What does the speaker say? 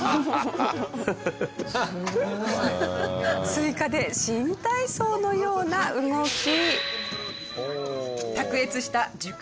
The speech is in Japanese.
スイカで新体操のような動き。